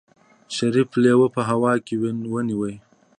شريف لېوه په هوا کې ونيو.